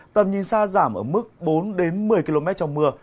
tầm nhìn xa giảm ở mức bốn một mươi km trong mưa